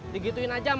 digituin aja marah cemen